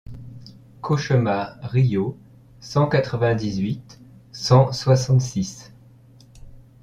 Cauchemar Riault cent quatre-vingt-dix-huit cent soixante-six.